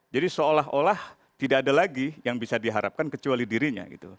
jadi seolah olah tidak ada lagi yang bisa diharapkan kecuali dirinya